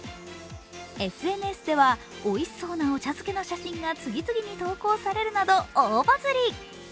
ＳＮＳではおいしそうなお茶漬けの写真が次々に投稿されるなど大バズり。